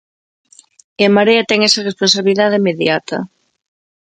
En Marea ten esa responsabilidade inmediata.